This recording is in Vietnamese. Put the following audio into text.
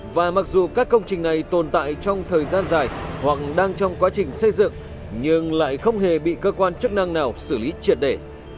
và mặc dù các công trình này tồn tại trong thời gian dài hoặc đang trong quá trình xây dựng nhưng lại không hề bị cơ quan chức năng nào xử lý triệt để